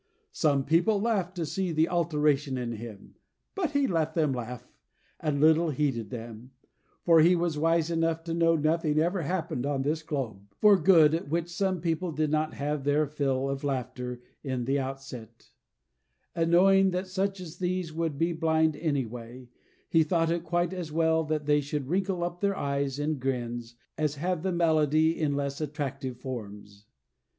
Some people laughed to see the alteration in him, but he let them laugh, and little heeded them; for he was wise enough to know nothing ever happened on this globe, for good, at which some people did not have their fill of laughter in the outset; and knowing that such as these would be blind any way, he thought it quite as well that they should wrinkle up their eyes in grins, as have the malady in less attractive forms.